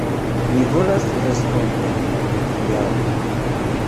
Mi volas respondon kial.